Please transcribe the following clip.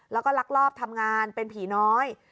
แล้วก็ลักลอบทำงานเป็นผีน้อย